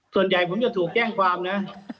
ส่วนใหญ่ผมจะถูกแจ้งความนะ